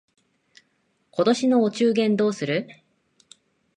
今年のお中元どうする？